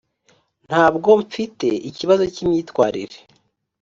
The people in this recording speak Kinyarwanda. ntabwo mfite ikibazo cyimyitwarire;